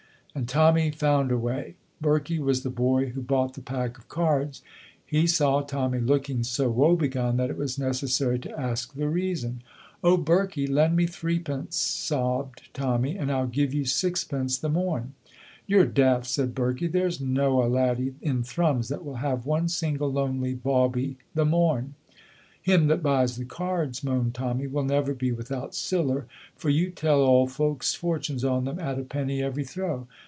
And Tommy found a way. Birkie was the boy who bought the pack of cards. He saw Tommy looking so woe begone that it was necessary to ask the reason. "Oh, Birkie, lend me threepence," sobbed Tommy, "and I'll give you sixpence the morn." "You're daft," said Birkie, "there's no a laddie in Thrums that will have one single lonely bawbee the morn." "Him that buys the cards," moaned Tommy, "will never be without siller, for you tell auld folks fortunes on them at a penny every throw.